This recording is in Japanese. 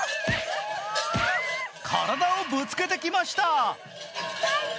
体をぶつけてきました。